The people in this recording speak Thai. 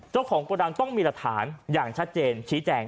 โกดังต้องมีหลักฐานอย่างชัดเจนชี้แจง